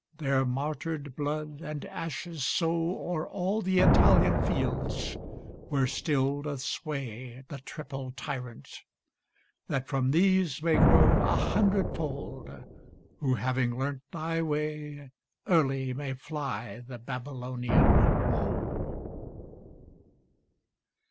Their martyred blood and ashes sowO'er all the Italian fields, where still doth swayThe triple Tyrant; that from these may growA hundredfold, who, having learnt thy way, Early may fly the Babylonian woe.